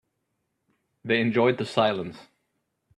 They enjoyed the silence.